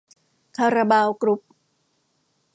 คาราบาวกรุ๊ป